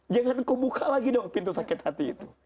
jangan kau buka lagi dong pintu sakit hati itu